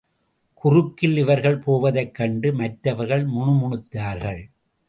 குறுக்கில் இவர்கள் போவதைக் கண்டு மற்றவர்கள் முணுமுணுத்தார்கள்.